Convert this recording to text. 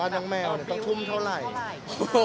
บ้านน้องแมวสรุปแพงกว่าบ้านผม